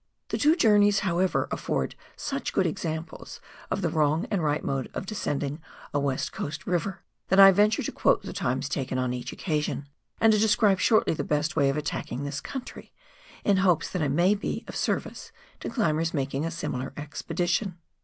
The two journeys, however, afford such good examples of the wrong and right mode of descending a "West Coast river, that I venture to quote the times taken on each occasion ; and to describe shortly the best way of attacking this country, in hopes that it may be of service to climbers making a similar expedition.